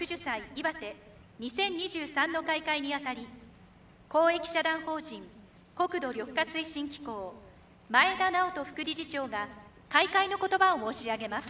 いわて２０２３の開会にあたり公益社団法人国土緑化推進機構前田直登副理事長が開会の言葉を申し上げます。